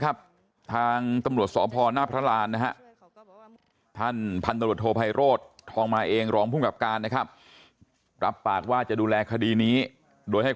ค่ะใช่ค่ะหนูก็อัดไปร้องให้ไปสงสารช่วยอะไรไม่ได้